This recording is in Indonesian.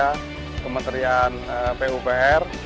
dan kementerian pupr